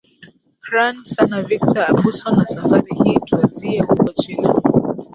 kran sana victor abuso na safari hii twazie huko china